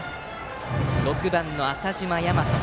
打席は６番の浅嶋大和。